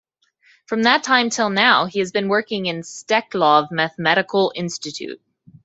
From that time till now he has been working in Steklov Mathematical Institute.